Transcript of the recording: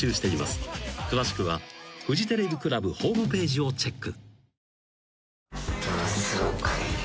［詳しくはフジテレビクラブホームページをチェック］